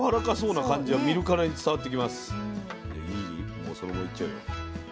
もうそのままいっちゃうよ。